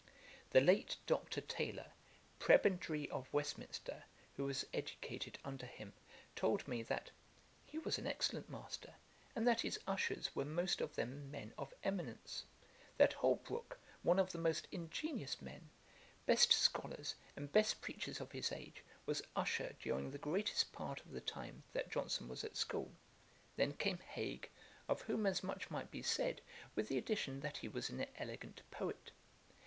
The late Dr. Taylor, Prebendary of Westminster, who was educated under him, told me, that 'he was an excellent master, and that his ushers were most of them men of eminence; that Holbrook, one of the most ingenious men, best scholars, and best preachers of his age, was usher during the greatest part of the time that Johnson was at school. Then came Hague, of whom as much might be said, with the addition that he was an elegant poet.